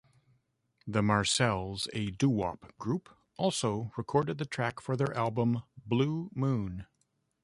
The Marcels, a doo-wop group, also recorded the track for their album "Blue Moon".